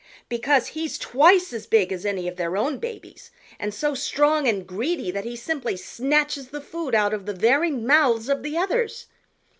"Because he's twice as big as any of their own babies and so strong and greedy that he simply snatches the food out of the very mouths of the others.